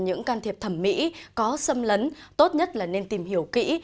những can thiệp thẩm mỹ có xâm lấn tốt nhất là nên tìm hiểu kỹ